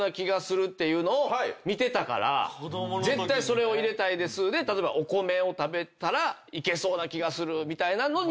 「絶対それを入れたいです」で例えばお米を食べたらいけそうな気がするみたいなのにしていただいた。